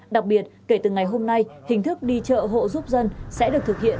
đặc biệt kể từ ngày hôm nay hình thức đi chợ hộ giúp dân sẽ được thực hiện